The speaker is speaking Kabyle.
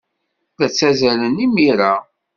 La ttazzalen imir-a.